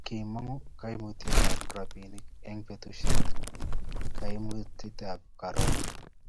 kimong'u kaimutikab robinik eng' betusiekab kaimutietab korona